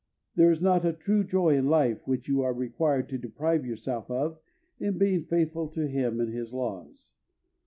There is not a true joy in life which you are required to deprive yourself of in being faithful to him and his laws.